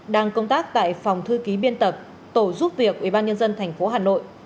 đang công tác tại phòng thư ký biên tập tổ giúp việc ubnd tp hà nội